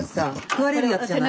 食われるやつじゃない？